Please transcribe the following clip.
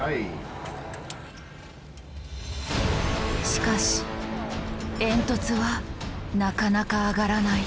しかし煙突はなかなか上がらない。